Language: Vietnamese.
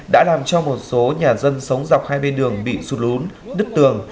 đã làm cho một số nhà dân sống dọc hai bên đường bị sụt lún nứt tường